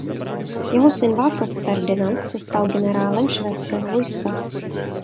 Jeho syn Václav Ferdinand se stal generálem švédského vojska.